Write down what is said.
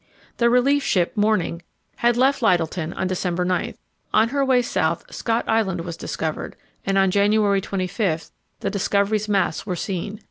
The relief ship Morning had left Lyttelton on December 9. On her way south Scott Island was discovered, and on January 25 the Discovery's masts were seen.